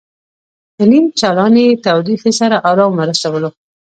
له نیم چالانې تودوخې سره ارام ورسولو.